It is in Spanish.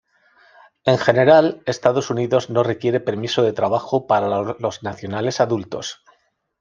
En general, Estados Unidos no requiere permiso de trabajo para los nacionales adultos.